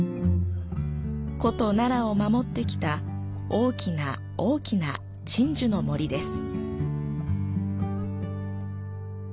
古都奈良を守ってきた大きな大きな鎮守の森です。